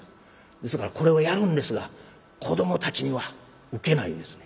ですからこれをやるんですが子どもたちにはウケないんですね。